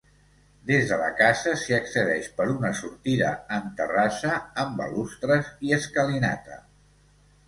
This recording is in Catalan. Des de la casa s'hi accedeix per una sortida en terrassa, amb balustres i escalinata.